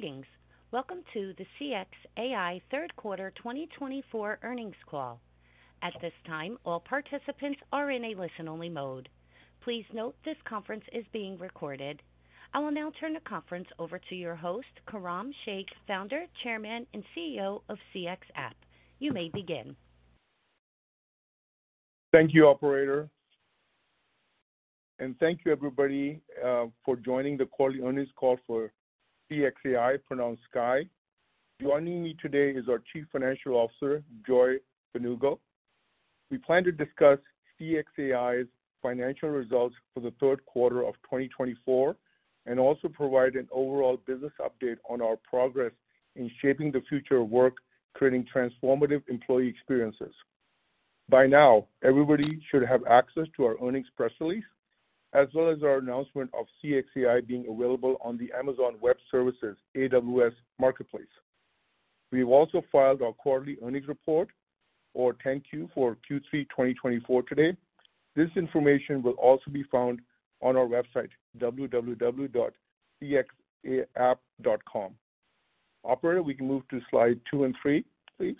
Greetings. Welcome to the CXAI third quarter 2024 earnings call. At this time, all participants are in a listen-only mode. Please note this conference is being recorded. I will now turn the conference over to your host, Khurram Sheikh, founder, chairman, and CEO of CXApp. You may begin. Thank you, Operator. And thank you, everybody, for joining the quarterly earnings call for CXAI, pronounced CXAI. Joining me today is our Chief Financial Officer, Joy Mbanugo. We plan to discuss CXAI's financial results for the third quarter of 2024 and also provide an overall business update on our progress in shaping the future of work, creating transformative employee experiences. By now, everybody should have access to our earnings press release, as well as our announcement of CXAI being available on the Amazon Web Services AWS Marketplace. We've also filed our quarterly earnings report, or 10-Q, for Q3 2024 today. This information will also be found on our website, www.cxapp.com. Operator, we can move to slide two and three, please.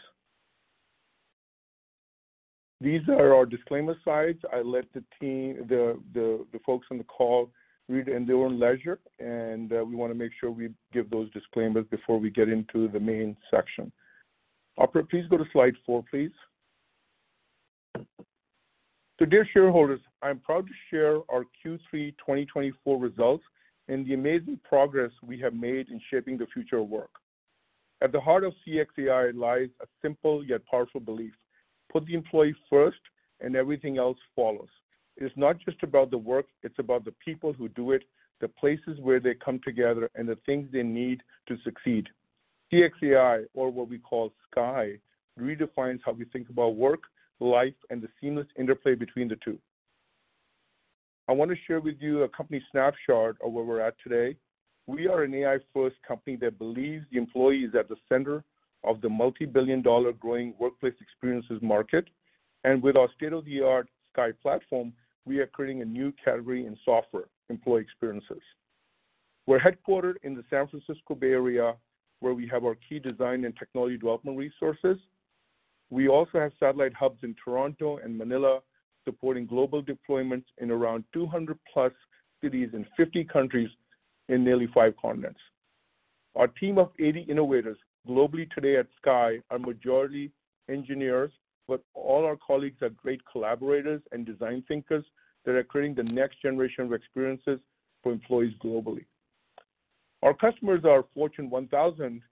These are our disclaimer slides. I let the team, the folks on the call, read in their own leisure, and we want to make sure we give those disclaimers before we get into the main section. Operator, please go to slide four, please. To dear shareholders, I'm proud to share our Q3 2024 results and the amazing progress we have made in shaping the future of work. At the heart of CXAI lies a simple yet powerful belief: put the employee first, and everything else follows. It's not just about the work. It's about the people who do it, the places where they come together, and the things they need to succeed. CXAI, or what we call CXAI, redefines how we think about work, life, and the seamless interplay between the two. I want to share with you a company snapshot of where we're at today. We are an AI-first company that believes the employee is at the center of the multi-billion dollar growing workplace experiences market. And with our state-of-the-art CXAI platform, we are creating a new category in software: employee experiences. We're headquartered in the San Francisco Bay Area, where we have our key design and technology development resources. We also have satellite hubs in Toronto and Manila, supporting global deployments in around 200-plus cities in 50 countries in nearly five continents. Our team of 80 innovators globally today at CXAI are majority engineers, but all our colleagues are great collaborators and design thinkers that are creating the next generation of experiences for employees globally. Our customers are Fortune 1000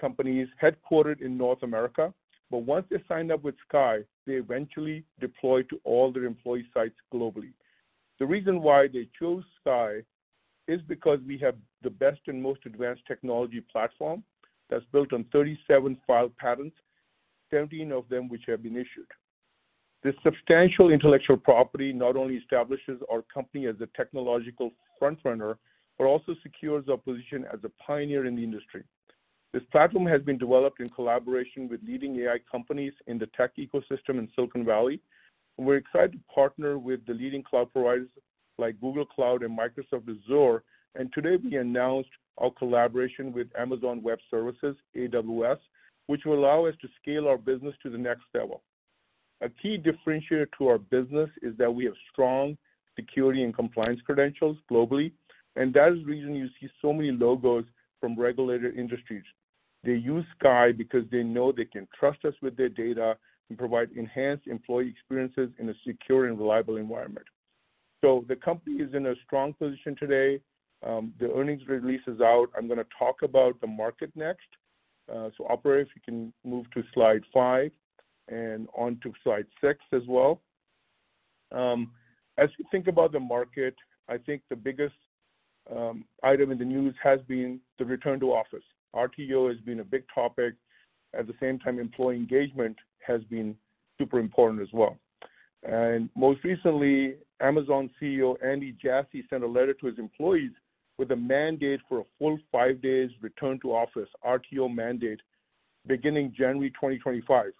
companies headquartered in North America, but once they signed up with CXAI, they eventually deploy to all their employee sites globally. The reason why they chose CXAI is because we have the best and most advanced technology platform that's built on 37 patents, 17 of them which have been issued. This substantial intellectual property not only establishes our company as a technological frontrunner, but also secures our position as a pioneer in the industry. This platform has been developed in collaboration with leading AI companies in the tech ecosystem in Silicon Valley. We're excited to partner with the leading cloud providers like Google Cloud and Microsoft Azure, and today, we announced our collaboration with Amazon Web Services, AWS, which will allow us to scale our business to the next level. A key differentiator to our business is that we have strong security and compliance credentials globally, and that is the reason you see so many logos from regulated industries. They use CXAI because they know they can trust us with their data and provide enhanced employee experiences in a secure and reliable environment. So the company is in a strong position today. The earnings release is out. I'm going to talk about the market next. So Operator, if you can move to slide five and on to slide six as well. As we think about the market, I think the biggest item in the news has been the return to office. RTO has been a big topic. At the same time, employee engagement has been super important as well, and most recently, Amazon CEO Andy Jassy sent a letter to his employees with a mandate for a full five days return to office, RTO mandate, beginning January 2025.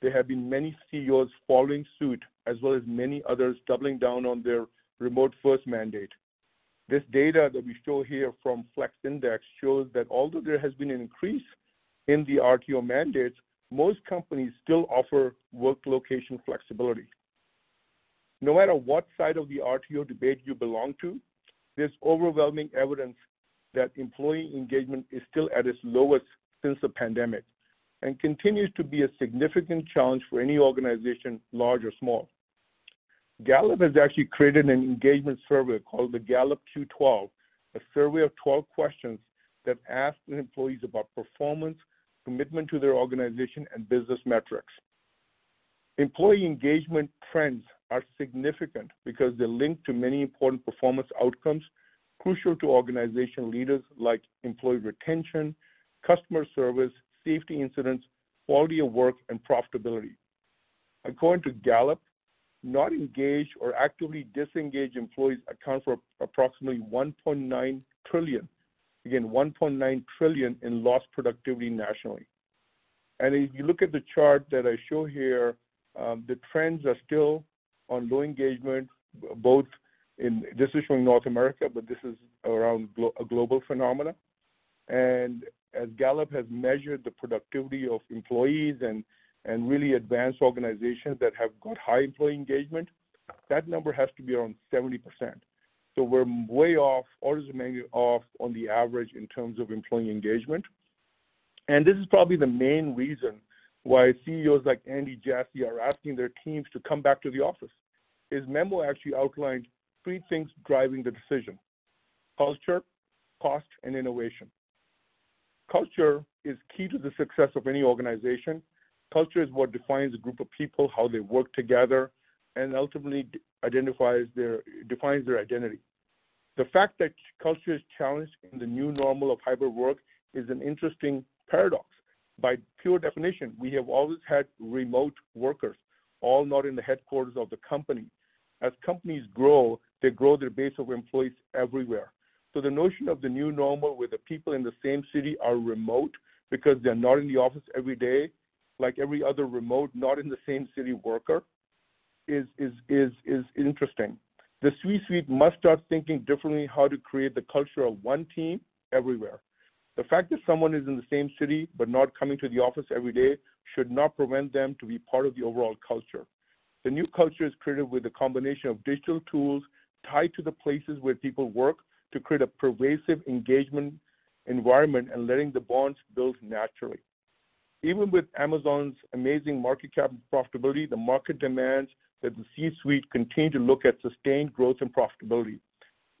There have been many CEOs following suit, as well as many others doubling down on their remote-first mandate. This data that we show here from Flex Index shows that although there has been an increase in the RTO mandates, most companies still offer work location flexibility. No matter what side of the RTO debate you belong to, there's overwhelming evidence that employee engagement is still at its lowest since the pandemic and continues to be a significant challenge for any organization, large or small. Gallup has actually created an engagement survey called the Gallup Q12, a survey of 12 questions that asks employees about performance, commitment to their organization, and business metrics. Employee engagement trends are significant because they're linked to many important performance outcomes crucial to organization leaders like employee retention, customer service, safety incidents, quality of work, and profitability. According to Gallup, not engaged or actively disengaged employees account for approximately $1.9 trillion, again, $1.9 trillion in lost productivity nationally. If you look at the chart that I show here, the trends are still on low engagement, both in this is showing North America, but this is around a global phenomenon. And as Gallup has measured the productivity of employees and really advanced organizations that have got high employee engagement, that number has to be around 70%. So we're way off, orders of magnitude off on the average in terms of employee engagement. And this is probably the main reason why CEOs like Andy Jassy are asking their teams to come back to the office. His memo actually outlined three things driving the decision: culture, cost, and innovation. Culture is key to the success of any organization. Culture is what defines a group of people, how they work together, and ultimately identifies their identity. The fact that culture is challenged in the new normal of hybrid work is an interesting paradox. By pure definition, we have always had remote workers, all not in the headquarters of the company. As companies grow, they grow their base of employees everywhere. So the notion of the new normal where the people in the same city are remote because they're not in the office every day, like every other remote, not in the same city worker, is interesting. The C-suite must start thinking differently how to create the culture of one team everywhere. The fact that someone is in the same city but not coming to the office every day should not prevent them from being part of the overall culture. The new culture is created with a combination of digital tools tied to the places where people work to create a pervasive engagement environment and letting the bonds build naturally. Even with Amazon's amazing market cap and profitability, the market demands that the C-suite continue to look at sustained growth and profitability.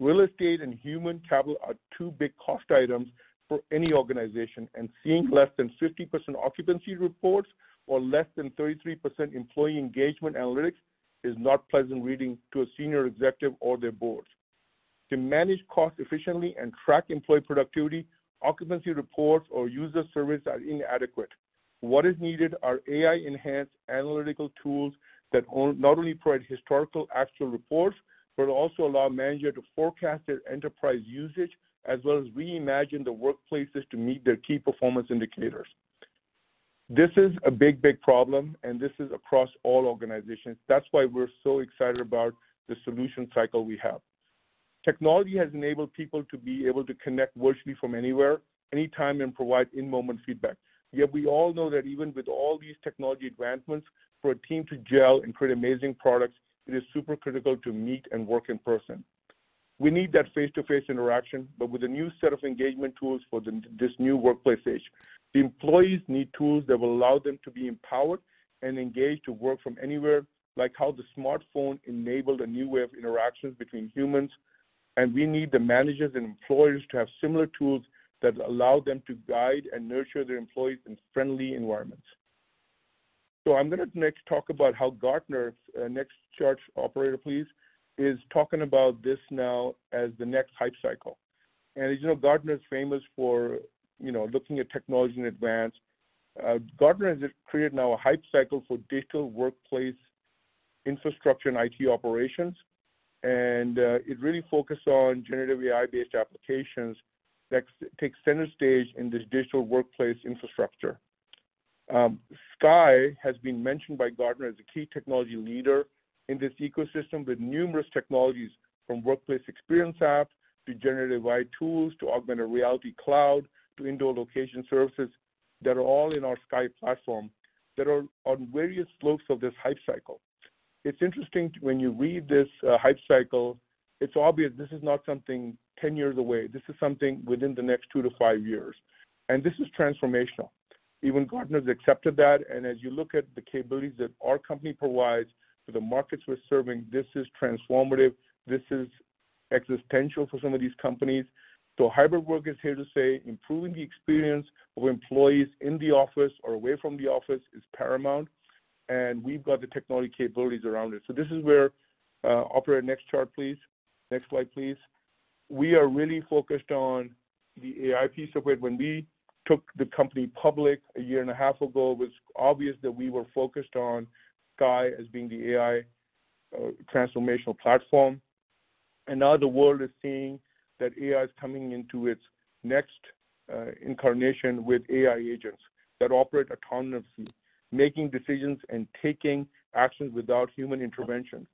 Real estate and human capital are two big cost items for any organization, and seeing less than 50% occupancy reports or less than 33% employee engagement analytics is not pleasant reading to a senior executive or their board. To manage costs efficiently and track employee productivity, occupancy reports or user surveys are inadequate. What is needed are AI-enhanced analytical tools that not only provide historical actual reports, but also allow managers to forecast their enterprise usage as well as reimagine the workplaces to meet their key performance indicators. This is a big, big problem, and this is across all organizations. That's why we're so excited about the solution cycle we have. Technology has enabled people to be able to connect virtually from anywhere, anytime, and provide in-moment feedback. Yet we all know that even with all these technology advancements, for a team to gel and create amazing products, it is super critical to meet and work in person. We need that face-to-face interaction, but with a new set of engagement tools for this new workplace age. The employees need tools that will allow them to be empowered and engaged to work from anywhere, like how the smartphone enabled a new way of interaction between humans. And we need the managers and employers to have similar tools that allow them to guide and nurture their employees in friendly environments. So I'm going to next talk about how Gartner, next chart operator, please, is talking about this now as the next Hype Cycle. And as you know, Gartner is famous for looking at technology in advance. Gartner has created now a Hype Cycle for digital workplace infrastructure and IT operations, and it really focuses on generative AI-based applications that take center stage in this digital workplace infrastructure. CXAI has been mentioned by Gartner as a key technology leader in this ecosystem with numerous technologies, from workplace experience app to generative AI tools to augmented reality cloud to indoor location services that are all in our CXAI platform that are on various slopes of this Hype Cycle. It's interesting when you read this Hype Cycle. It's obvious this is not something 10 years away. This is something within the next two to five years. And this is transformational. Even Gartner has accepted that. And as you look at the capabilities that our company provides for the markets we're serving, this is transformative. This is existential for some of these companies. So hybrid work is here to stay. Improving the experience of employees in the office or away from the office is paramount. And we've got the technology capabilities around it. So this is where Operator, next chart, please. Next slide, please. We are really focused on the AI piece of it. When we took the company public a year and a half ago, it was obvious that we were focused on CXAI as being the AI transformational platform. And now the world is seeing that AI is coming into its next incarnation with AI agents that operate autonomously, making decisions and taking actions without human intervention.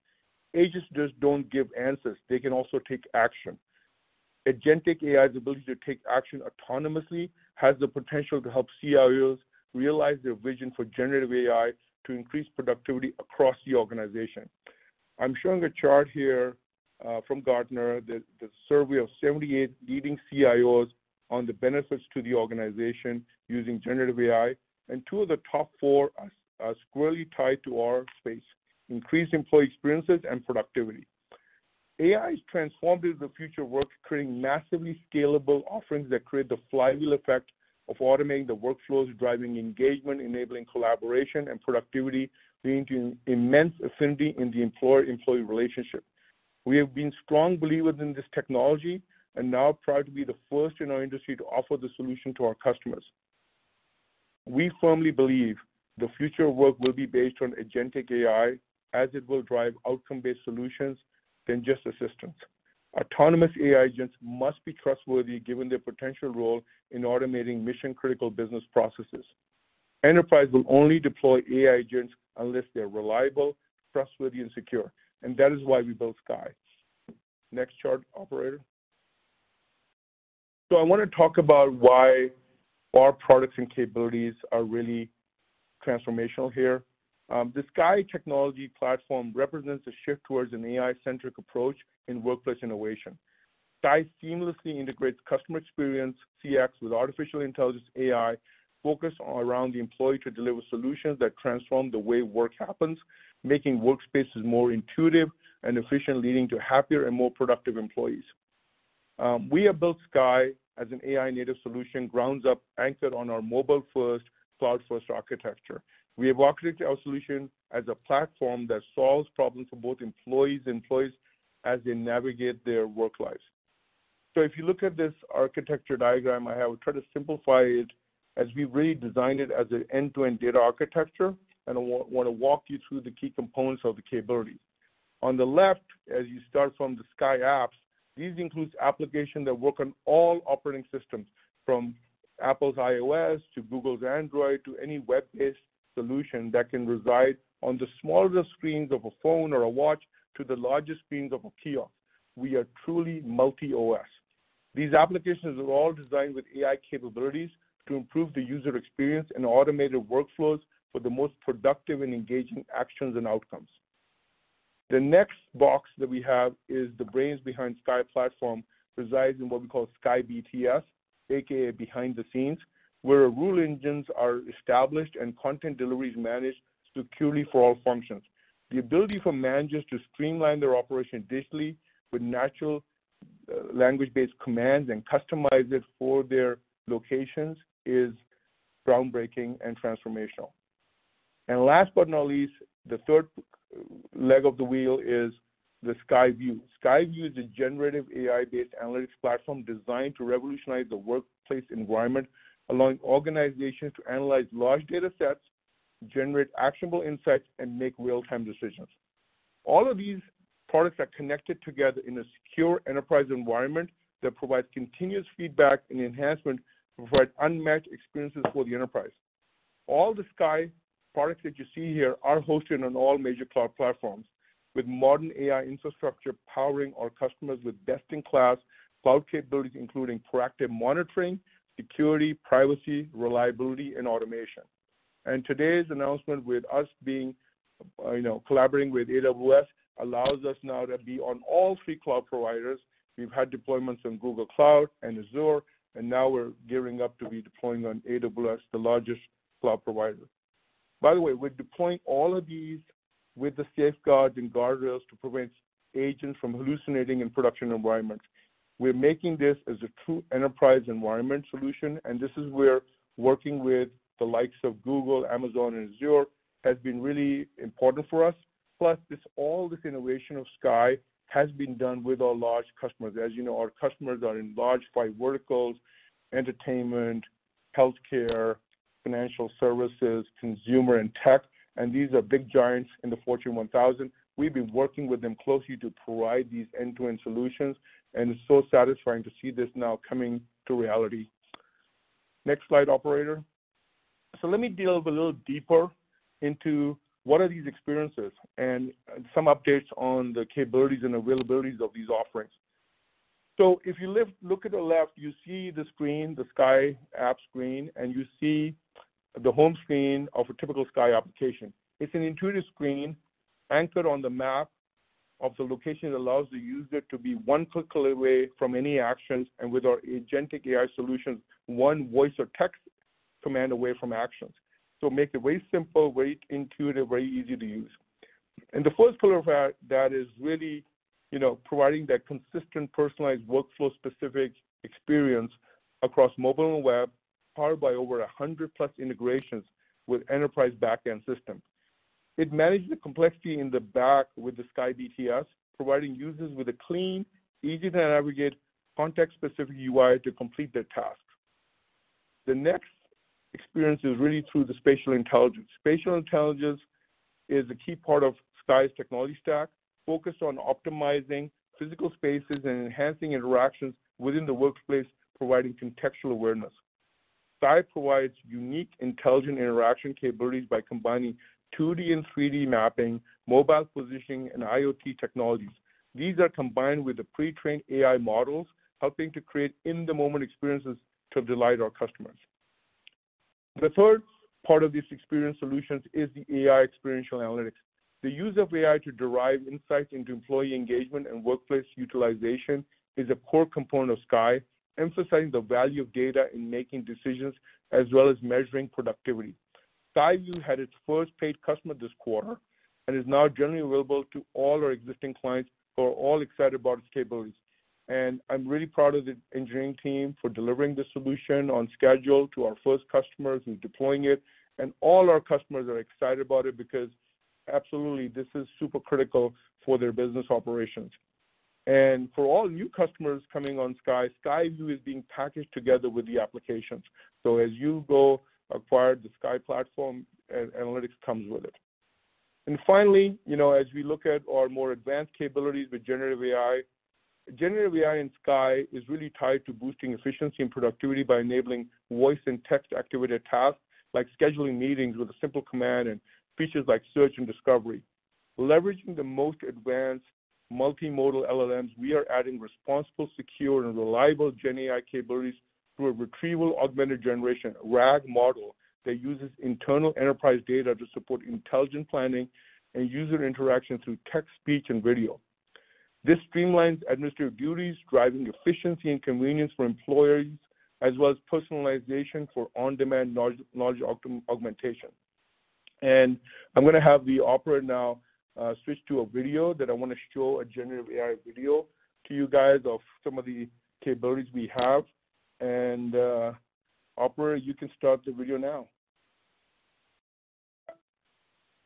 Agents just don't give answers. They can also take action. Agentic AI's ability to take action autonomously has the potential to help CIOs realize their vision for generative AI to increase productivity across the organization. I'm showing a chart here from Gartner, the survey of 78 leading CIOs on the benefits to the organization using generative AI. And two of the top four are squarely tied to our space: increased employee experiences and productivity. AI has transformed the future of work, creating massively scalable offerings that create the flywheel effect of automating the workflows, driving engagement, enabling collaboration, and productivity, leading to immense affinity in the employer-employee relationship. We have been strong believers in this technology and now proud to be the first in our industry to offer the solution to our customers. We firmly believe the future of work will be based on agentic AI as it will drive outcome-based solutions than just assistance. Autonomous AI agents must be trustworthy given their potential role in automating mission-critical business processes. Enterprise will only deploy AI agents unless they're reliable, trustworthy, and secure. And that is why we built CXAI. Next chart, Operator. So I want to talk about why our products and capabilities are really transformational here. The CXAI technology platform represents a shift towards an AI-centric approach in workplace innovation. CXAI seamlessly integrates customer experience, CX, with artificial intelligence, AI, focused around the employee to deliver solutions that transform the way work happens, making workspaces more intuitive and efficient, leading to happier and more productive employees. We have built CXAI as an AI-native solution, ground up, anchored on our mobile-first, cloud-first architecture. We have operated our solution as a platform that solves problems for both employees and employers as they navigate their work lives. If you look at this architecture diagram, I have tried to simplify it as we really designed it as an end-to-end data architecture. I want to walk you through the key components of the capabilities. On the left, as you start from the CXAI apps, these include applications that work on all operating systems, from Apple's iOS to Google's Android to any web-based solution that can reside on the smallest screens of a phone or a watch to the largest screens of a kiosk. We are truly multi-OS. These applications are all designed with AI capabilities to improve the user experience and automated workflows for the most productive and engaging actions and outcomes. The next box that we have is the brains behind CXAI platform, resides in what we call CXAI BTS, aka behind the scenes, where rule engines are established and content delivery is managed securely for all functions. The ability for managers to streamline their operation digitally with natural language-based commands and customize it for their locations is groundbreaking and transformational, and last but not least, the third leg of the wheel is the CXAI View. CXAI View is a generative AI-based analytics platform designed to revolutionize the workplace environment, allowing organizations to analyze large data sets, generate actionable insights, and make real-time decisions. All of these products are connected together in a secure enterprise environment that provides continuous feedback and enhancement to provide unmatched experiences for the enterprise. All the CXAI products that you see here are hosted on all major cloud platforms with modern AI infrastructure powering our customers with best-in-class cloud capabilities, including proactive monitoring, security, privacy, reliability, and automation, and today's announcement with us being collaborating with AWS allows us now to be on all three cloud providers. We've had deployments on Google Cloud and Azure, and now we're gearing up to be deploying on AWS, the largest cloud provider. By the way, we're deploying all of these with the safeguards and guardrails to prevent agents from hallucinating in production environments. We're making this as a true enterprise environment solution, and this is where working with the likes of Google, Amazon, and Azure has been really important for us. Plus, all this innovation of CXAI has been done with our large customers. As you know, our customers are in large five verticals: entertainment, healthcare, financial services, consumer, and tech. And these are big giants in the Fortune 1000. We've been working with them closely to provide these end-to-end solutions, and it's so satisfying to see this now coming to reality. Next slide, Operator. So let me delve a little deeper into what are these experiences and some updates on the capabilities and availabilities of these offerings. So if you look to the left, you see the screen, the CXAI app screen, and you see the home screen of a typical CXAI application. It's an intuitive screen anchored on the map of the location. It allows the user to be one click away from any actions and, with our agentic AI solutions, one voice or text command away from actions. So make it very simple, very intuitive, very easy to use. And the first pillar that is really providing that consistent personalized workflow-specific experience across mobile and web, powered by over 100-plus integrations with enterprise backend systems. It manages the complexity in the back with the CXAI BTS, providing users with a clean, easy-to-navigate context-specific UI to complete their tasks. The next experience is really through the spatial intelligence. Spatial intelligence is a key part of CXAI's technology stack, focused on optimizing physical spaces and enhancing interactions within the workplace, providing contextual awareness. CXAI provides unique intelligent interaction capabilities by combining 2D and 3D mapping, mobile positioning, and IoT technologies. These are combined with the pre-trained AI models, helping to create in-the-moment experiences to delight our customers. The third part of these experience solutions is the AI experiential analytics. The use of AI to derive insights into employee engagement and workplace utilization is a core component of CXAI, emphasizing the value of data in making decisions as well as measuring productivity. CXAI View had its first paid customer this quarter and is now generally available to all our existing clients. We're all excited about its capabilities. And I'm really proud of the engineering team for delivering the solution on schedule to our first customers and deploying it. And all our customers are excited about it because, absolutely, this is super critical for their business operations. And for all new customers coming on CXAI, CXAI View is being packaged together with the applications. So as you go acquire the CXAI platform, analytics comes with it. Finally, as we look at our more advanced capabilities with generative AI, generative AI in CXAI is really tied to boosting efficiency and productivity by enabling voice and text-activated tasks, like scheduling meetings with a simple command and features like search and discovery. Leveraging the most advanced multimodal LLMs, we are adding responsible, secure, and reliable GenAI capabilities through a retrieval augmented generation, RAG model, that uses internal enterprise data to support intelligent planning and user interaction through text, speech, and video. This streamlines administrative duties, driving efficiency and convenience for employees, as well as personalization for on-demand knowledge augmentation. I'm going to have the operator now switch to a video that I want to show, a generative AI video to you guys of some of the capabilities we have. Operator, you can start the video now.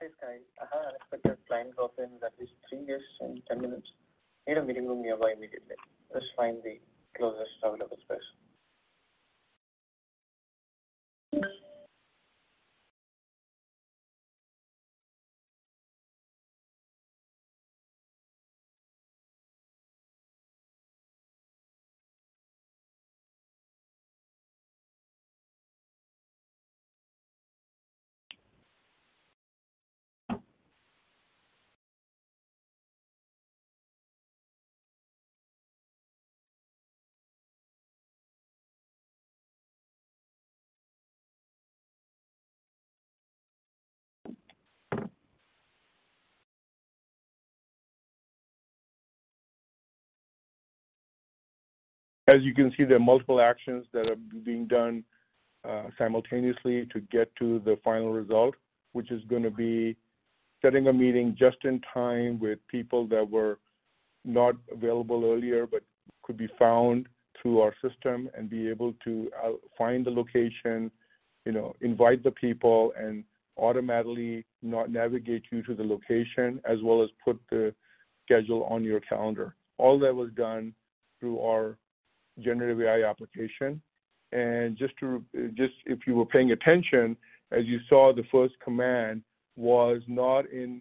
Hey, CXAI. I have to pick up your client in at least 30 minutes. Need a meeting room nearby immediately. Let's find the closest available space. As you can see, there are multiple actions that are being done simultaneously to get to the final result, which is going to be setting a meeting just in time with people that were not available earlier but could be found through our system and be able to find the location, invite the people, and automatically navigate you to the location, as well as put the schedule on your calendar. All that was done through our generative AI application, and just if you were paying attention, as you saw, the first command was not in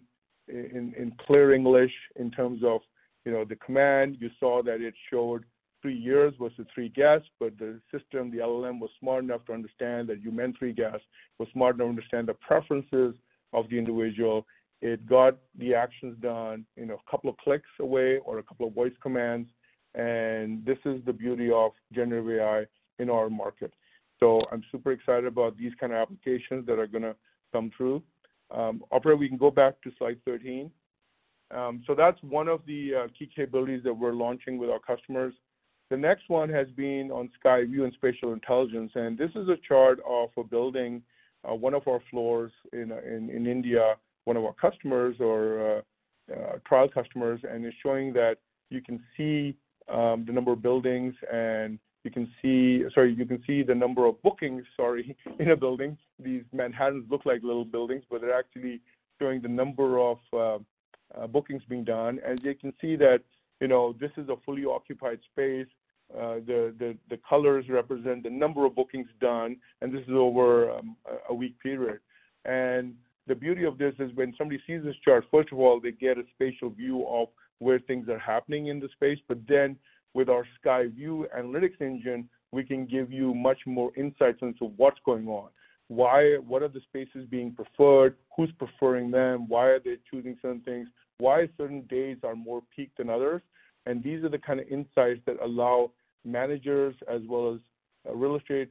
clear English in terms of the command. You saw that it showed three years versus three guests, but the system, the LLM, was smart enough to understand that you meant three guests. It was smart enough to understand the preferences of the individual. It got the actions done a couple of clicks away or a couple of voice commands. And this is the beauty of generative AI in our market. So I'm super excited about these kinds of applications that are going to come through. Operator, we can go back to slide 13. So that's one of the key capabilities that we're launching with our customers. The next one has been on CXAI View and spatial intelligence. And this is a chart of a building, one of our floors in India, one of our customers or trial customers. And it's showing that you can see the number of buildings, and you can see, sorry, you can see the number of bookings, sorry, in a building. These Manhattans look like little buildings, but they're actually showing the number of bookings being done. And you can see that this is a fully occupied space. The colors represent the number of bookings done, and this is over a week period, and the beauty of this is when somebody sees this chart, first of all, they get a spatial view of where things are happening in the space, but then, with our CXAI View analytics engine, we can give you much more insights into what's going on. Why? What are the spaces being preferred? Who's preferring them? Why are they choosing certain things? Why certain days are more peaked than others, and these are the kind of insights that allow managers, as well as real estate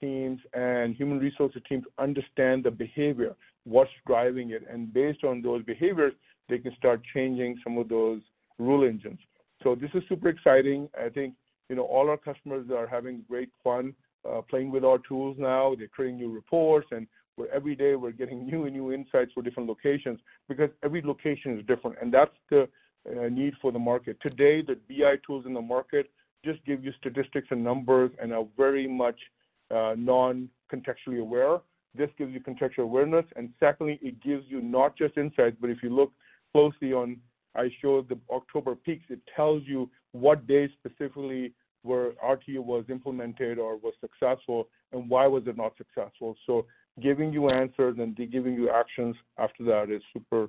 teams and human resources teams to understand the behavior, what's driving it, and based on those behaviors, they can start changing some of those rule engines, so this is super exciting. I think all our customers are having great fun playing with our tools now. They're creating new reports. Every day, we're getting new and new insights for different locations because every location is different. That's the need for the market. Today, the BI tools in the market just give you statistics and numbers and are very much non-contextually aware. This gives you contextual awareness. Secondly, it gives you not just insights, but if you look closely on. I showed the October peaks. It tells you what days specifically RTO was implemented or was successful and why was it not successful. So giving you answers and giving you actions after that is super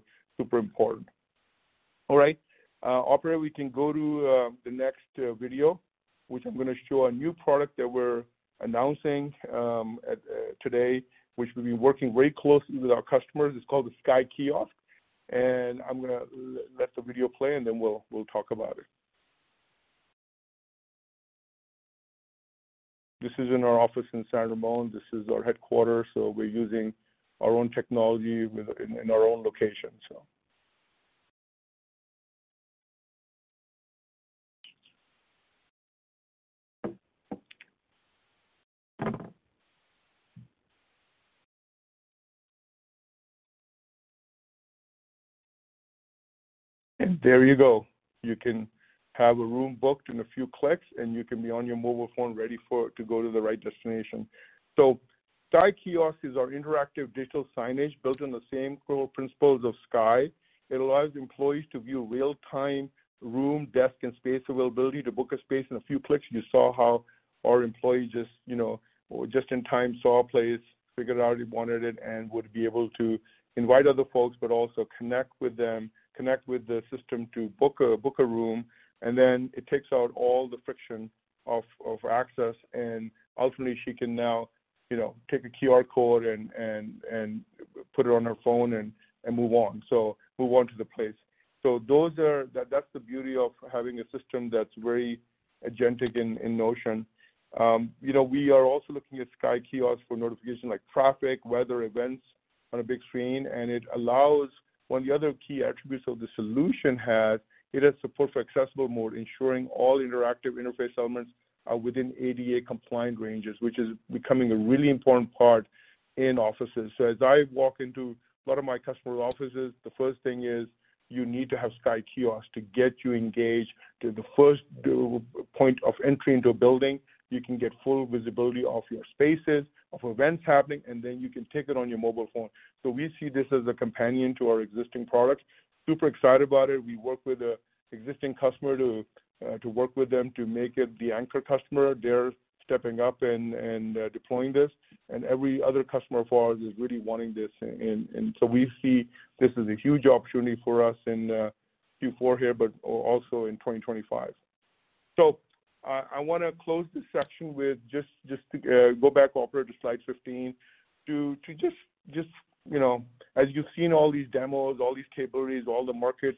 important. All right. Operator, we can go to the next video, which I'm going to show a new product that we're announcing today, which we've been working very closely with our customers. It's called the CXAI Kiosk. I'm going to let the video play, and then we'll talk about it. This is in our office in San Ramon. This is our headquarters. So we're using our own technology in our own location. And there you go. You can have a room booked in a few clicks, and you can be on your mobile phone ready to go to the right destination. So CXAI Kiosk is our interactive digital signage built on the same core principles of CXAI. It allows employees to view real-time room, desk, and space availability to book a space in a few clicks. You saw how our employees just in time saw a place, figured out he wanted it, and would be able to invite other folks, but also connect with them, connect with the system to book a room. And then it takes out all the friction of access. And ultimately, she can now take a QR code and put it on her phone and move on. So move on to the place. So that's the beauty of having a system that's very agentic in nature. We are also looking at CXAI Kiosk for notifications like traffic, weather events on a big screen. And it allows one of the other key attributes of the solution has support for accessible mode, ensuring all interactive interface elements are within ADA-compliant ranges, which is becoming a really important part in offices. So as I walk into one of my customer offices, the first thing is you need to have CXAI Kiosk to get you engaged. To the first point of entry into a building, you can get full visibility of your spaces, of events happening, and then you can take it on your mobile phone. So we see this as a companion to our existing product. Super excited about it. We work with an existing customer to work with them to make it the anchor customer. They're stepping up and deploying this. And every other customer of ours is really wanting this. And so we see this as a huge opportunity for us in Q4 here, but also in 2025. So I want to close this section with just to go back, Operator, to slide 15. To just, as you've seen all these demos, all these capabilities, all the market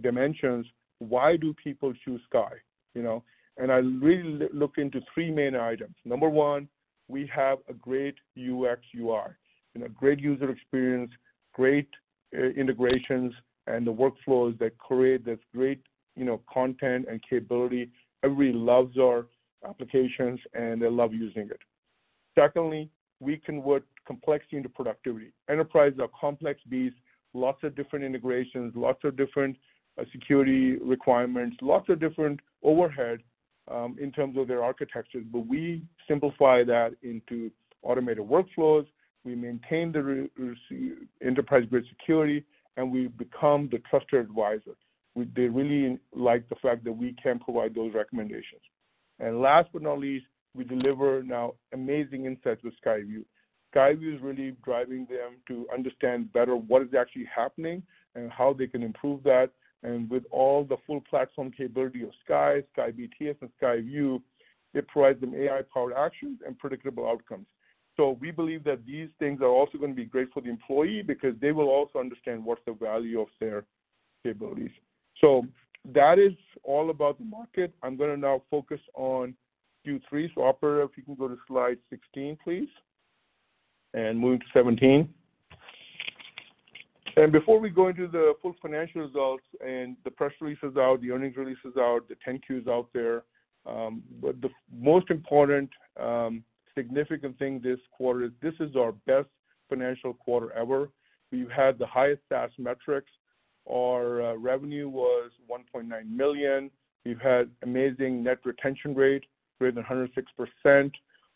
dimensions, why do people choose CXAI? And I really look into three main items. Number one, we have a great UX/UI and a great user experience, great integrations, and the workflows that create this great content and capability. Everybody loves our applications, and they love using it. Secondly, we convert complexity into productivity. Enterprises are complex beasts, lots of different integrations, lots of different security requirements, lots of different overhead in terms of their architectures. But we simplify that into automated workflows. We maintain the enterprise-grade security, and we become the trusted advisor. They really like the fact that we can provide those recommendations. And last but not least, we deliver now amazing insights with CXAI View. CXAI View is really driving them to understand better what is actually happening and how they can improve that. And with all the full platform capability of CXAI, CXAI BTS, and CXAI View, it provides them AI-powered actions and predictable outcomes. So we believe that these things are also going to be great for the employee because they will also understand what's the value of their capabilities. So that is all about the market. I'm going to now focus on Q3. Operator, if you can go to slide 16, please. Moving to 17. Before we go into the full financial results and the press releases out, the earnings releases out, the 10-Qs out there, the most important significant thing this quarter is this is our best financial quarter ever. We've had the highest SaaS metrics. Our revenue was $1.9 million. We've had amazing net retention rate, greater than 106%.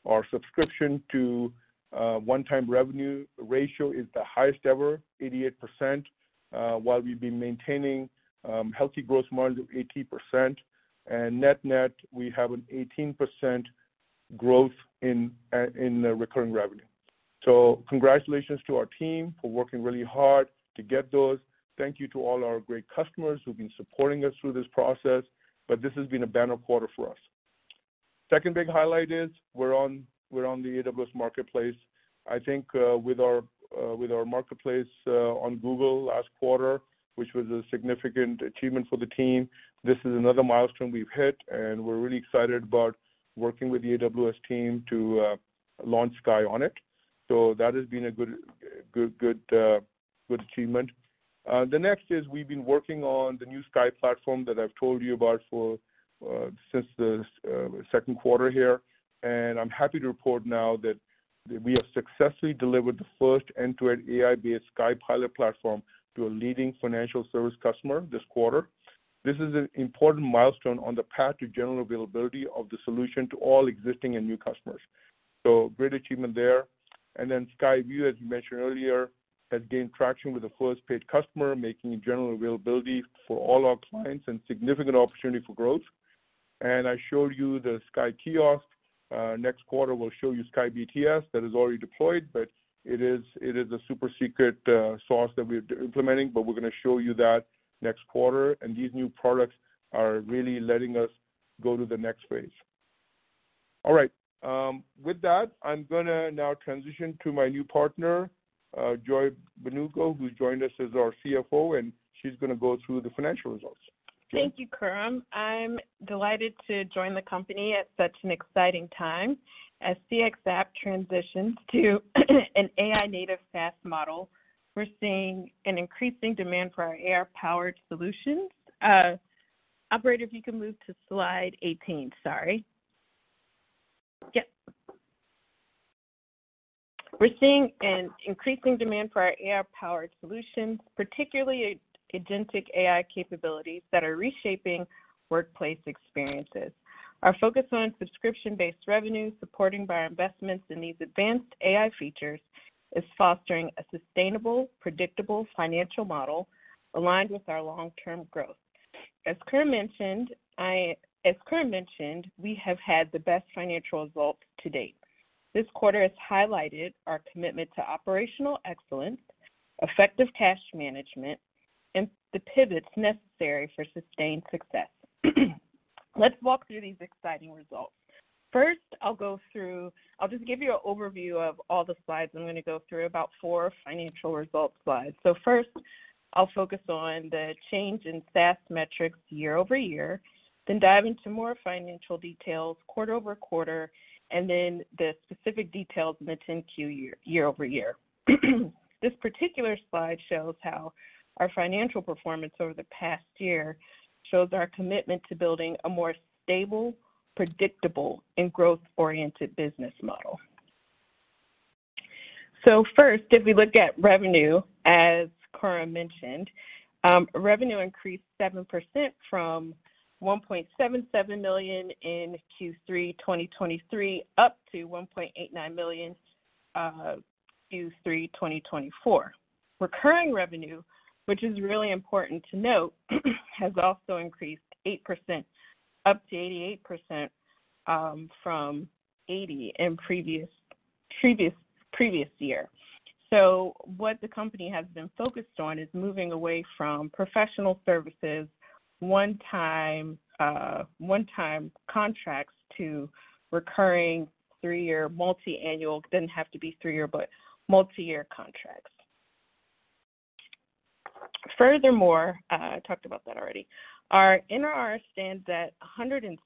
Our subscription to one-time revenue ratio is the highest ever, 88%, while we've been maintaining healthy growth margin of 18%. Net net, we have an 18% growth in recurring revenue. Congratulations to our team for working really hard to get those. Thank you to all our great customers who've been supporting us through this process. This has been a banner quarter for us. Second big highlight is we're on the AWS Marketplace. I think with our Marketplace on Google last quarter, which was a significant achievement for the team, this is another milestone we've hit, and we're really excited about working with the AWS team to launch CXAI on it, so that has been a good achievement. The next is we've been working on the new CXAI platform that I've told you about since the second quarter here, and I'm happy to report now that we have successfully delivered the first end-to-end AI-based CXAI pilot platform to a leading financial service customer this quarter. This is an important milestone on the path to general availability of the solution to all existing and new customers, so great achievement there, and then CXAI View, as you mentioned earlier, has gained traction with the first paid customer, making general availability for all our clients and significant opportunity for growth. I showed you the CXAI Kiosk. Next quarter, we'll show you CXAI BTS that is already deployed, but it is a super secret sauce that we're implementing. We're going to show you that next quarter. These new products are really letting us go to the next phase. All right. With that, I'm going to now transition to my new partner, Joy Mbanugo, who's joined us as our CFO. She's going to go through the financial results. Thank you, Khurram. I'm delighted to join the company at such an exciting time. As CXApp transitions to an AI-native SaaS model, we're seeing an increasing demand for our AI-powered solutions. Operator, if you can move to slide 18. Sorry. Yep. We're seeing an increasing demand for our AI-powered solutions, particularly agentic AI capabilities that are reshaping workplace experiences. Our focus on subscription-based revenue, supporting our investments in these advanced AI features, is fostering a sustainable, predictable financial model aligned with our long-term growth. As Khurram mentioned, we have had the best financial results to date. This quarter has highlighted our commitment to operational excellence, effective cash management, and the pivots necessary for sustained success. Let's walk through these exciting results. First, I'll just give you an overview of all the slides. I'm going to go through about four financial results slides. First, I'll focus on the change in SaaS metrics year over year, then dive into more financial details quarter over quarter, and then the specific details in the 10-Q year over year. This particular slide shows how our financial performance over the past year shows our commitment to building a more stable, predictable, and growth-oriented business model. First, if we look at revenue, as Khurram mentioned, revenue increased 7% from $1.77 million in Q3 2023 up to $1.89 million Q3 2024. Recurring revenue, which is really important to note, has also increased 8% up to 88% from 80% in previous year. So what the company has been focused on is moving away from professional services, one-time contracts to recurring three-year multi-annual. It doesn't have to be three-year, but multi-year contracts. Furthermore, I talked about that already. Our NRR stands at 106%,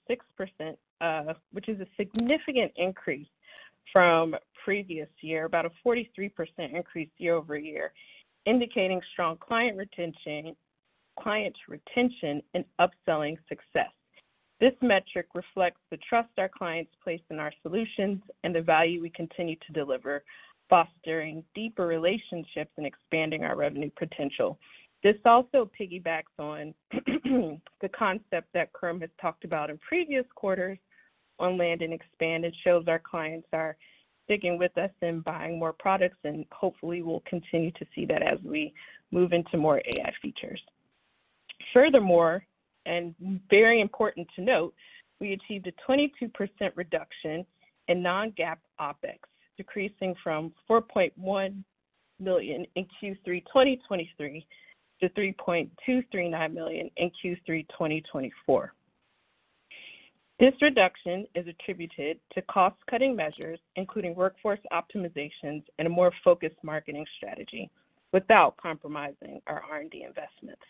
which is a significant increase from previous year, about a 43% increase year over year, indicating strong client retention and upselling success. This metric reflects the trust our clients place in our solutions and the value we continue to deliver, fostering deeper relationships and expanding our revenue potential. This also piggybacks on the concept that Khurram has talked about in previous quarters on land and expand and shows our clients are sticking with us and buying more products. And hopefully, we'll continue to see that as we move into more AI features. Furthermore, and very important to note, we achieved a 22% reduction in non-GAAP OpEx, decreasing from $4.1 million in Q3 2023 to $3.239 million in Q3 2024. This reduction is attributed to cost-cutting measures, including workforce optimizations and a more focused marketing strategy without compromising our R&D investments.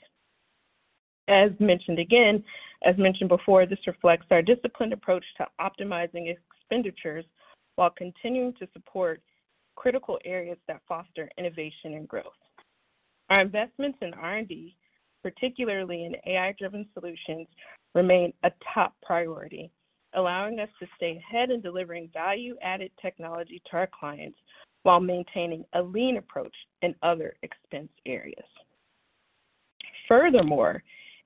As mentioned again, as mentioned before, this reflects our disciplined approach to optimizing expenditures while continuing to support critical areas that foster innovation and growth. Our investments in R&D, particularly in AI-driven solutions, remain a top priority, allowing us to stay ahead in delivering value-added technology to our clients while maintaining a lean approach in other expense areas. Furthermore,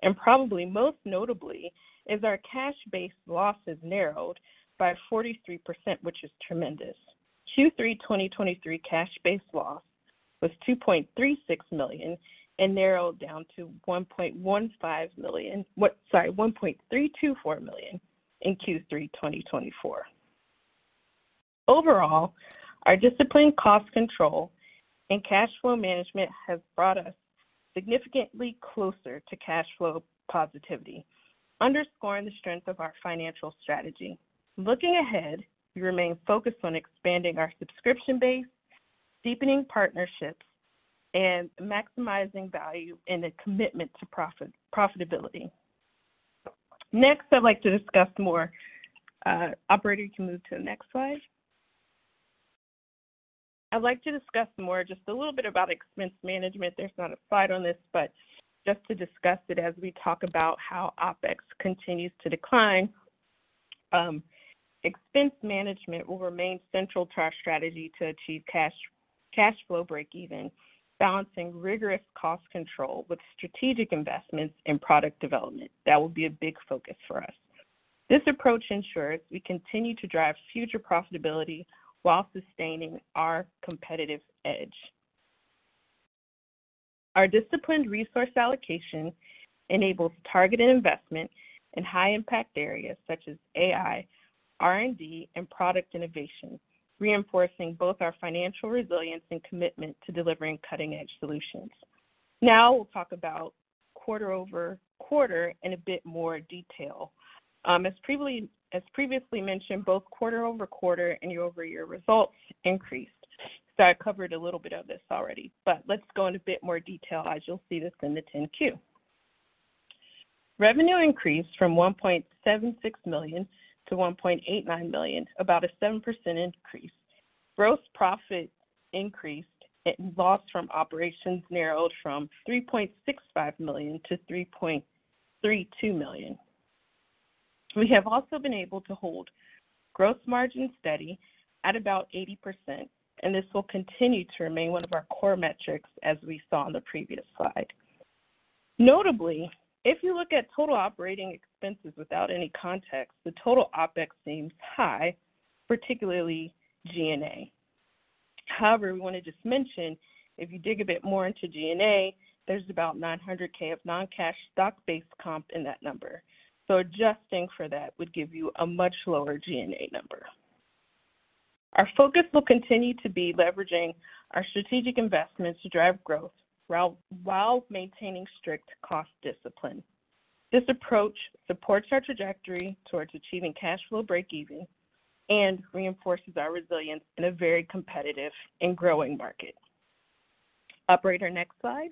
and probably most notably, is our cash-based loss has narrowed by 43%, which is tremendous. Q3 2023 cash-based loss was $2.36 million and narrowed down to $1.15 million, sorry, $1.324 million in Q3 2024. Overall, our disciplined cost control and cash flow management has brought us significantly closer to cash flow positivity, underscoring the strength of our financial strategy. Looking ahead, we remain focused on expanding our subscription base, deepening partnerships, and maximizing value and a commitment to profitability. Next, I'd like to discuss more. Operator, you can move to the next slide. I'd like to discuss more just a little bit about expense management. There's not a slide on this, but just to discuss it as we talk about how OpEx continues to decline. Expense management will remain central to our strategy to achieve cash flow break-even, balancing rigorous cost control with strategic investments in product development. That will be a big focus for us. This approach ensures we continue to drive future profitability while sustaining our competitive edge. Our disciplined resource allocation enables targeted investment in high-impact areas such as AI, R&D, and product innovation, reinforcing both our financial resilience and commitment to delivering cutting-edge solutions. Now we'll talk about quarter over quarter in a bit more detail. As previously mentioned, both quarter over quarter and year-over-year results increased. So I covered a little bit of this already. Let's go into a bit more detail as you'll see this in the 10-Q. Revenue increased from $1.76 million to $1.89 million, about a 7% increase. Gross profit increased and loss from operations narrowed from $3.65 million to $3.32 million. We have also been able to hold gross margin steady at about 80%. This will continue to remain one of our core metrics as we saw on the previous slide. Notably, if you look at total operating expenses without any context, the total OpEx seems high, particularly G&A. However, we want to just mention, if you dig a bit more into G&A, there's about $900,000 of non-cash stock-based comp in that number. So adjusting for that would give you a much lower G&A number. Our focus will continue to be leveraging our strategic investments to drive growth while maintaining strict cost discipline. This approach supports our trajectory towards achieving cash flow break-even and reinforces our resilience in a very competitive and growing market. Operator, next slide.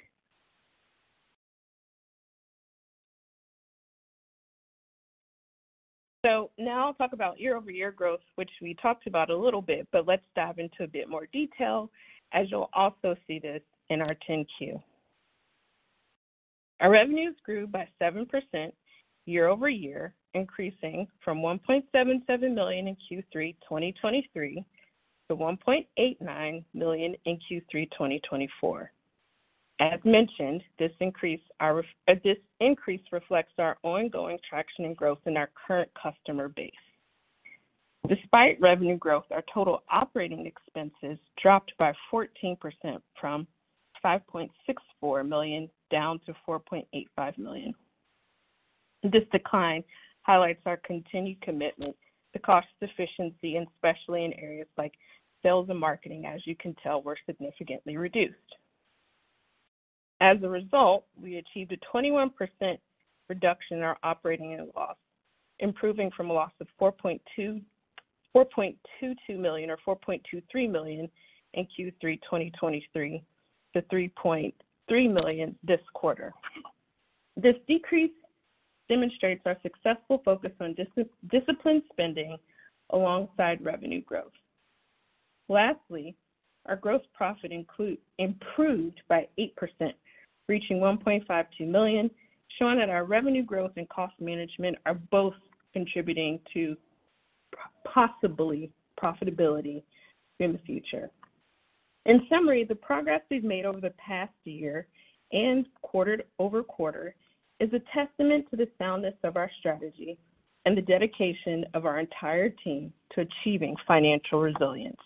So now I'll talk about year-over-year growth, which we talked about a little bit, but let's dive into a bit more detail as you'll also see this in our 10-Q. Our revenues grew by 7% year-over-year, increasing from $1.77 million in Q3 2023 to $1.89 million in Q3 2024. As mentioned, this increase reflects our ongoing traction and growth in our current customer base. Despite revenue growth, our total operating expenses dropped by 14% from $5.64 million down to $4.85 million. This decline highlights our continued commitment to cost efficiency, and especially in areas like sales and marketing, as you can tell, were significantly reduced. As a result, we achieved a 21% reduction in our operating loss, improving from a loss of $4.22 million or $4.23 million in Q3 2023 to $3.3 million this quarter. This decrease demonstrates our successful focus on disciplined spending alongside revenue growth. Lastly, our gross profit improved by 8%, reaching $1.52 million, showing that our revenue growth and cost management are both contributing to possible profitability in the future. In summary, the progress we've made over the past year and quarter over quarter is a testament to the soundness of our strategy and the dedication of our entire team to achieving financial resilience.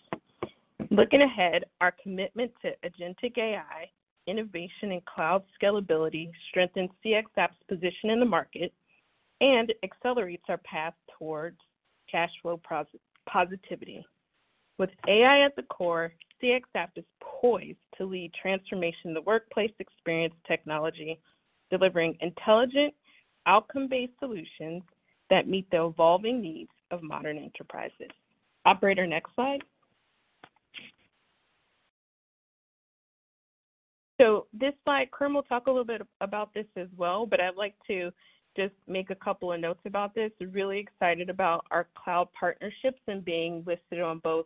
Looking ahead, our commitment to agentic AI, innovation, and cloud scalability strengthens CXApp's position in the market and accelerates our path towards cash flow positivity. With AI at the core, CXApp is poised to lead transformation in the workplace experience technology, delivering intelligent, outcome-based solutions that meet the evolving needs of modern enterprises. Operator, next slide. So this slide, Khurram will talk a little bit about this as well, but I'd like to just make a couple of notes about this. Really excited about our cloud partnerships and being listed on both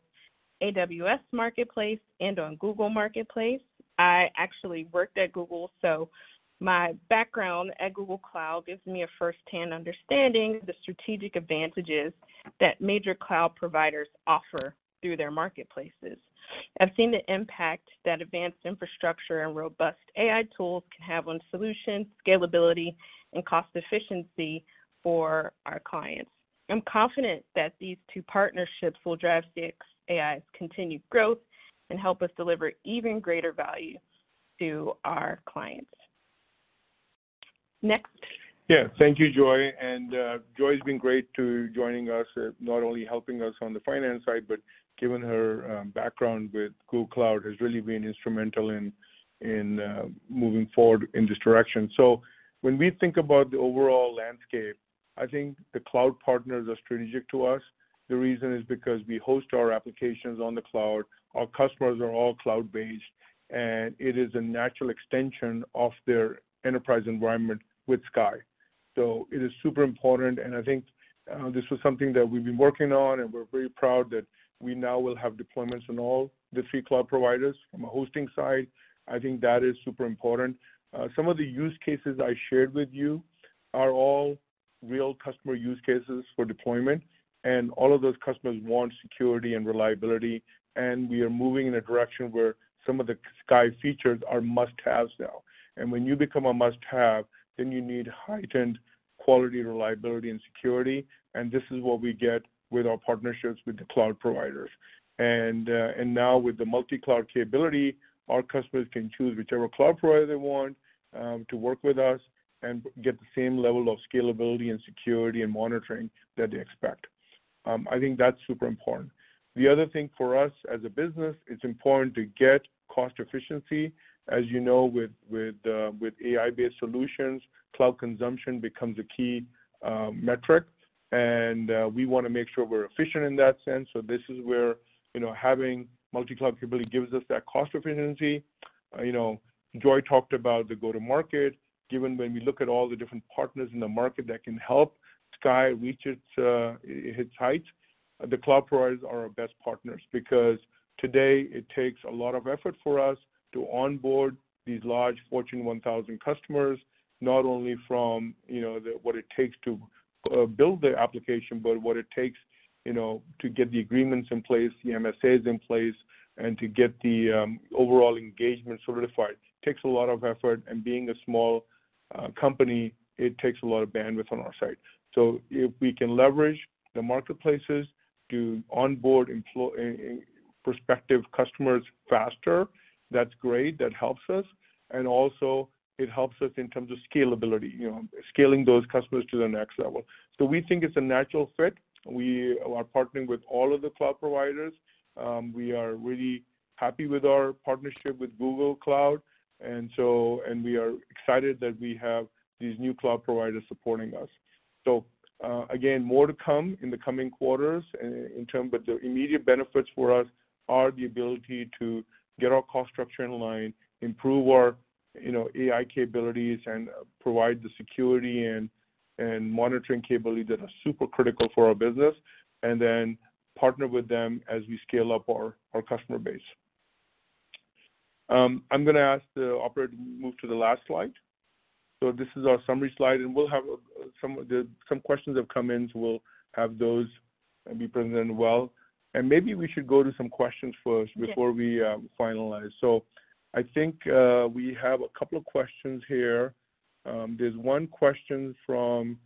AWS Marketplace and on Google Marketplace. I actually worked at Google, so my background at Google Cloud gives me a firsthand understanding of the strategic advantages that major cloud providers offer through their marketplaces. I've seen the impact that advanced infrastructure and robust AI tools can have on solutions, scalability, and cost efficiency for our clients. I'm confident that these two partnerships will drive CXApp's continued growth and help us deliver even greater value to our clients. Next. Yeah. Thank you, Joy. And Joy has been great to joining us, not only helping us on the finance side, but given her background with Google Cloud has really been instrumental in moving forward in this direction. So when we think about the overall landscape, I think the cloud partners are strategic to us. The reason is because we host our applications on the cloud. Our customers are all cloud-based, and it is a natural extension of their enterprise environment with CXAI. So it is super important. And I think this was something that we've been working on, and we're very proud that we now will have deployments on all the three cloud providers from a hosting side. I think that is super important. Some of the use cases I shared with you are all real customer use cases for deployment. And all of those customers want security and reliability. And we are moving in a direction where some of the CXAI features are must-haves now. And when you become a must-have, then you need heightened quality, reliability, and security. And this is what we get with our partnerships with the cloud providers. And now with the multi-cloud capability, our customers can choose whichever cloud provider they want to work with us and get the same level of scalability and security and monitoring that they expect. I think that's super important. The other thing for us as a business, it's important to get cost efficiency. As you know, with AI-based solutions, cloud consumption becomes a key metric. And we want to make sure we're efficient in that sense. So this is where having multi-cloud capability gives us that cost efficiency. Joy talked about the go-to-market. Given when we look at all the different partners in the market that can help CXAI reach its heights, the cloud providers are our best partners because today it takes a lot of effort for us to onboard these large Fortune 1000 customers, not only from what it takes to build the application, but what it takes to get the agreements in place, the MSAs in place, and to get the overall engagement certified. It takes a lot of effort. And being a small company, it takes a lot of bandwidth on our side. So if we can leverage the marketplaces to onboard prospective customers faster, that's great. That helps us. And also, it helps us in terms of scalability, scaling those customers to the next level. So we think it's a natural fit. We are partnering with all of the cloud providers. We are really happy with our partnership with Google Cloud. And we are excited that we have these new cloud providers supporting us. So again, more to come in the coming quarters in terms of the immediate benefits for us are the ability to get our cost structure in line, improve our AI capabilities, and provide the security and monitoring capability that are super critical for our business, and then partner with them as we scale up our customer base. I'm going to ask the operator to move to the last slide. So this is our summary slide. And some questions have come in, so we'll have those be presented well. And maybe we should go to some questions first before we finalize. So I think we have a couple of questions here. There's one question from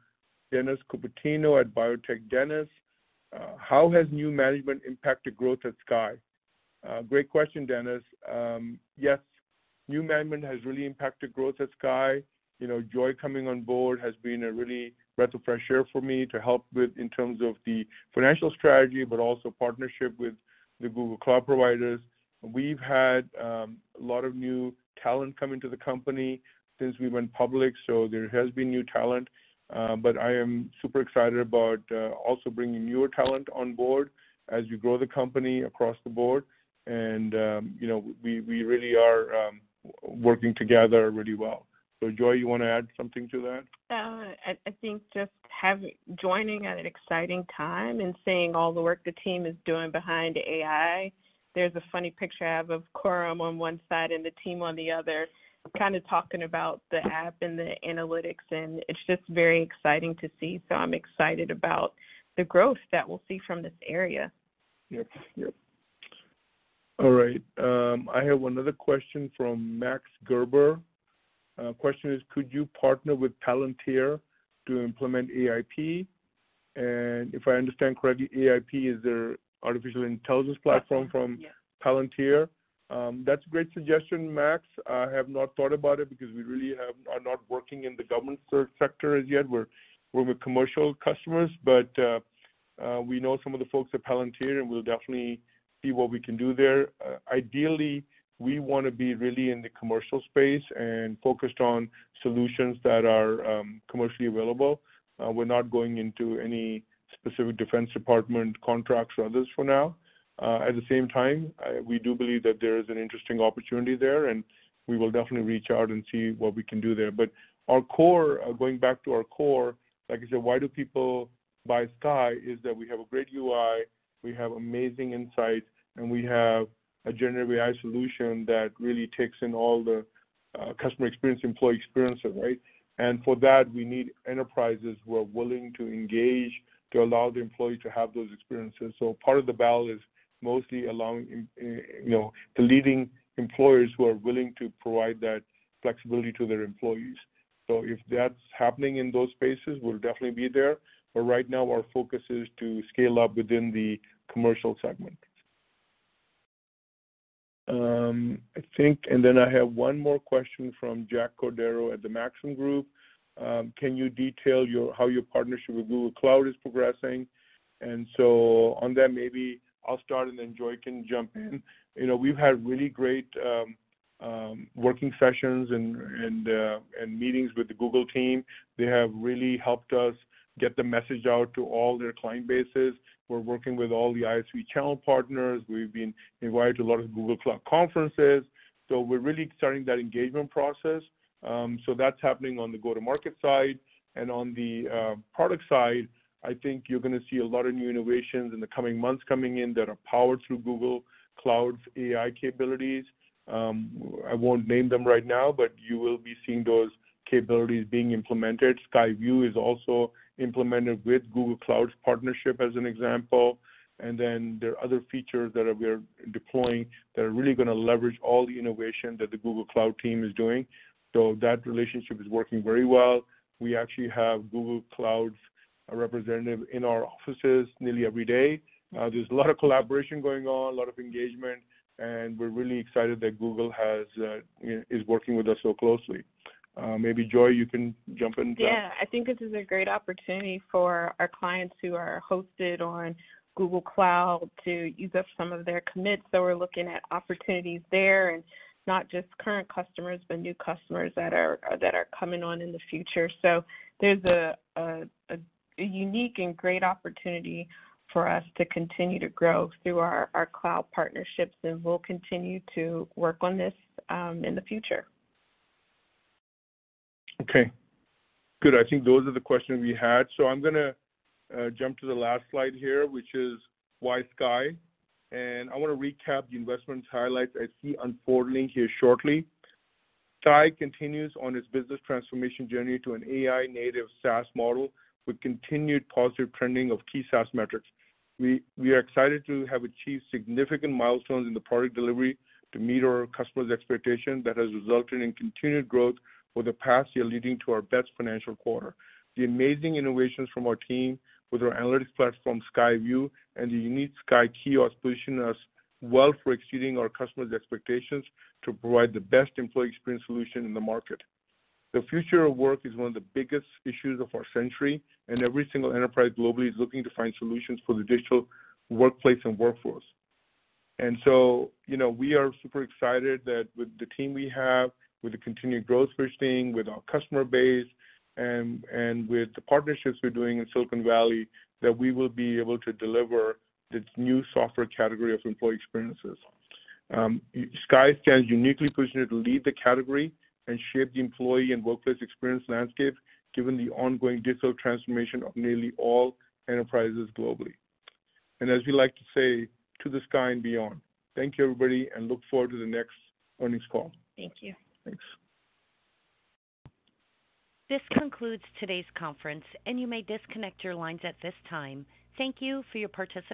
Dennis Cupertino at Biotech Dennis. How has new management impacted growth at CXAI? Great question, Dennis. Yes, new management has really impacted growth at CXAI. Joy coming on board has been a really breath of fresh air for me to help with in terms of the financial strategy, but also partnership with the Google Cloud providers. We've had a lot of new talent come into the company since we went public. So there has been new talent. But I am super excited about also bringing newer talent on board as we grow the company across the board. And we really are working together really well. So Joy, you want to add something to that? I think just joining at an exciting time and seeing all the work the team is doing behind AI. There's a funny picture I have of Khurram on one side and the team on the other kind of talking about the app and the analytics, and it's just very exciting to see. I'm excited about the growth that we'll see from this area. Yep. Yep. All right. I have one other question from Max Gerber. Question is, could you partner with Palantir to implement AIP? And if I understand correctly, AIP is their artificial intelligence platform from Palantir. That's a great suggestion, Max. I have not thought about it because we really are not working in the government sector as yet. We're with commercial customers, but we know some of the folks at Palantir, and we'll definitely see what we can do there. Ideally, we want to be really in the commercial space and focused on solutions that are commercially available. We're not going into any specific defense department contracts or others for now. At the same time, we do believe that there is an interesting opportunity there, and we will definitely reach out and see what we can do there. But going back to our core, like I said, why do people buy CXAI is that we have a great UI, we have amazing insights, and we have a generative AI solution that really takes in all the customer experience, employee experiences, right? And for that, we need enterprises who are willing to engage to allow the employees to have those experiences. So part of the battle is mostly allowing the leading employers who are willing to provide that flexibility to their employees. So if that's happening in those spaces, we'll definitely be there. But right now, our focus is to scale up within the commercial segment. And then I have one more question from Jack Cordero at the Maxim Group. Can you detail how your partnership with Google Cloud is progressing? And so on that, maybe I'll start, and then Joy can jump in. We've had really great working sessions and meetings with the Google team. They have really helped us get the message out to all their client bases. We're working with all the ISV channel partners. We've been invited to a lot of Google Cloud conferences. So we're really starting that engagement process. So that's happening on the go-to-market side. And on the product side, I think you're going to see a lot of new innovations in the coming months coming in that are powered through Google Cloud's AI capabilities. I won't name them right now, but you will be seeing those capabilities being implemented. CXAI View is also implemented with Google Cloud's partnership as an example. And then there are other features that we're deploying that are really going to leverage all the innovation that the Google Cloud team is doing. So that relationship is working very well. We actually have Google Cloud's representative in our offices nearly every day. There's a lot of collaboration going on, a lot of engagement, and we're really excited that Google is working with us so closely. Maybe Joy, you can jump in. Yeah. I think this is a great opportunity for our clients who are hosted on Google Cloud to use up some of their commits. So we're looking at opportunities there, and not just current customers, but new customers that are coming on in the future. So there's a unique and great opportunity for us to continue to grow through our cloud partnerships. And we'll continue to work on this in the future. Okay. Good. I think those are the questions we had. So I'm going to jump to the last slide here, which is why CXAI. And I want to recap the investment highlights I see unfolding here shortly. CXAI continues on its business transformation journey to an AI-native SaaS model with continued positive trending of key SaaS metrics. We are excited to have achieved significant milestones in the product delivery to meet our customers' expectations that has resulted in continued growth for the past year, leading to our best financial quarter. The amazing innovations from our team with our analytics platform, CXAI View, and the unique CXAI Kiosk position us well for exceeding our customers' expectations to provide the best employee experience solution in the market. The future of work is one of the biggest issues of our century. And every single enterprise globally is looking to find solutions for the digital workplace and workforce. And so we are super excited that with the team we have, with the continued growth we're seeing, with our customer base, and with the partnerships we're doing in Silicon Valley, that we will be able to deliver this new software category of employee experiences. CXAI stands uniquely positioned to lead the category and shape the employee and workplace experience landscape given the ongoing digital transformation of nearly all enterprises globally. And as we like to say, to the CXAI and beyond, thank you, everybody, and look forward to the next earnings call. Thank you. Thanks. This concludes today's conference, and you may disconnect your lines at this time. Thank you for your participation.